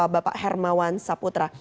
bapak hermawan saputra